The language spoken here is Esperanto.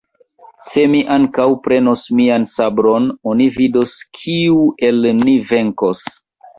Se mi ankaŭ prenos mian sabron, oni vidos, kiu el ni venkos.